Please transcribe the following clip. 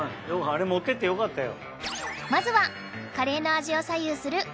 あれ持ってってよかったよ。